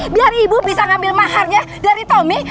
biar ibu bisa ngambil maharnya dari tommy